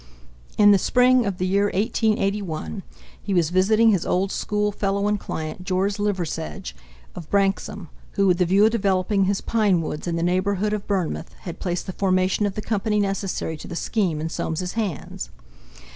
In the spring of the year 1881 he was visiting his old school fellow and client, George Liversedge, of Branksome, who, with the view of developing his pine woods in the neighbourhood of Bournemouth, had placed the formation of the company necessary to the scheme in Soames's hands.